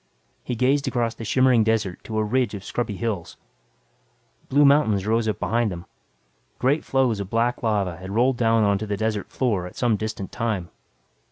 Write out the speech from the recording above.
He gazed across the shimmering desert to a ridge of scrubby hills. Blue mountains rose up beyond them. Great floes of black lava had rolled down onto the desert floor at some distant time.